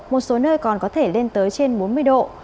một số nơi còn có thể lên tới trên bốn mươi độ